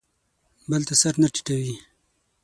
بل ته سر نه ټیټوي.